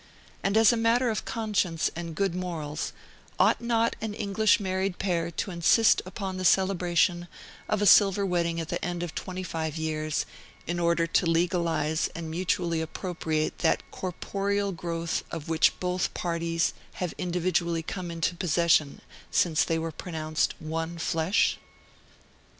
And as a matter of conscience and good morals, ought not an English married pair to insist upon the celebration of a silver wedding at the end of twenty five years, in order to legalize and mutually appropriate that corporeal growth of which both parties have individually come into possession since they were pronounced one flesh?